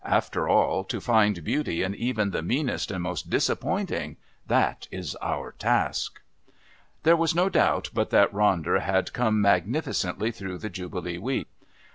After all, to find Beauty in even the meanest and most disappointing, that is our task!" There was no doubt but that Ronder had come magnificently through the Jubilee week.